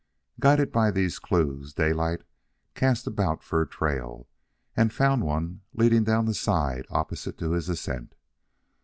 Guided by these clews, Daylight cast about for a trail, and found one leading down the side opposite to his ascent.